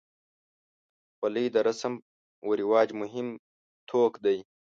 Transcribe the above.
خولۍ د رسم و رواج مهم توک دی.